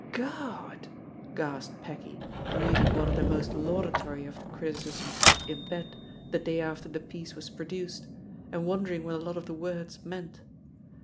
"Gawd I" gasped Peggy, reading one of the most laudatory of the criticisms in bed the day after the piece was produced, and wondering what a lot of the words meant.